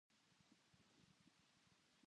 誰一人触れさせやしない